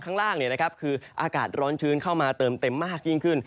ข้างล่างคืออากาศร้อนชื้นเข้ามาเติมเต็มมากยิ่งขึ้น